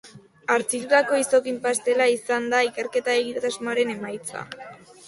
Hartzitutako izokin pastela izan da ikerketa-egitasmoaren emaitza.